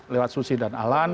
lewat susi dan alan